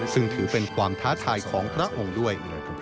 ซึ่งถือเป็นความท้าทายของพระองค์ด้วย